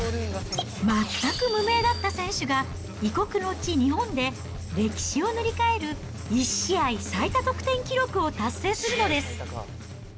全く無名だった選手が異国の地、日本で、歴史を塗り替える１試合最多得点記録を達成するのです。